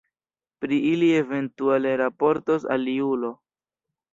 Pri ili eventuale raportos aliulo.